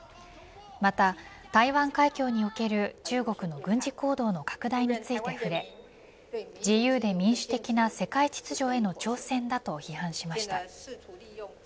また、台湾海峡における中国の軍事行動の拡大について触れ自由で民主的な世界秩序への挑戦だと批判しました。